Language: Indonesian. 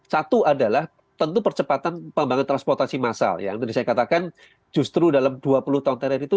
satu adalah tentu percepatan pembangunan transportasi massal yang tadi saya katakan justru dalam dua puluh tahun terakhir itu